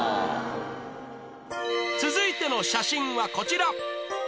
続いての写真はこちら